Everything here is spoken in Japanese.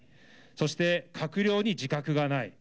そして閣僚に自覚がない。